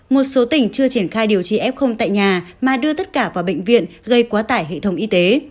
một số tỉnh chưa triển khai điều trị f tại nhà mà đưa tất cả vào bệnh viện gây quá tải hệ thống y tế